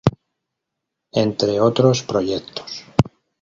Entre otros proyectos.